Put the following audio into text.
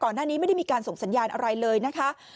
หน้านี้ไม่ได้มีการส่งสัญญาณอะไรเลยนะคะ